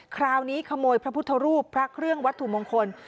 คราวนี้ขโมยพระพุทธรูปพระเครื่องวัตถุมงคล